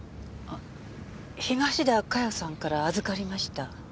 東田加代さんから預かりました。